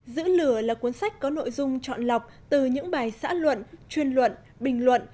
giữ lửa là cuốn sách có nội dung chọn lọc từ những bài xã luận chuyên luận bình luận